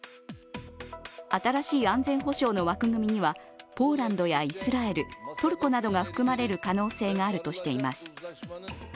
新しい安全保障の枠組みにはポーランドやイスラエルトルコなどが含まれる可能性があるとしています。